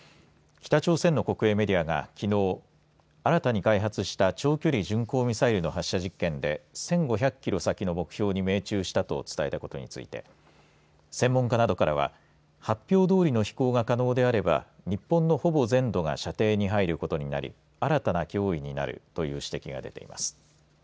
北朝鮮の国営メディアがきのう新たに開発した長距離巡航ミサイルの発射実験で１５００キロ先の目標に命中したと伝えたことについて専門家などからは発表どおりの飛行が可能であれば日本のほぼ全土が射程に入ることになり新たな脅威になるという指摘が出ています。